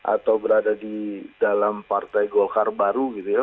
atau berada di dalam partai golkar baru gitu ya